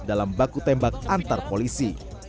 dalam baku tembak antar polisi